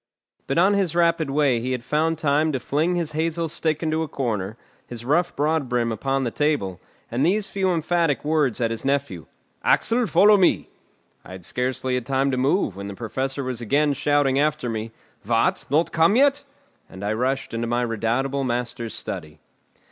But on his rapid way he had found time to fling his hazel stick into a corner, his rough broadbrim upon the table, and these few emphatic words at his nephew: "Axel, follow me!" I had scarcely had time to move when the Professor was again shouting after me: "What! not come yet?" And I rushed into my redoubtable master's study.